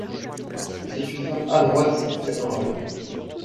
C’est une femme adroite, caporal.